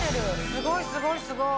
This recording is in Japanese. すごいすごいすごい！